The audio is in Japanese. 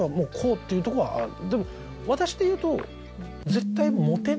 でも私でいうと。